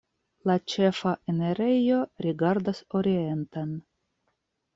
La ĉefa enirejo rigardas orienten.